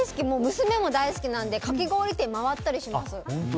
娘も大好きなのでかき氷店回ったりします。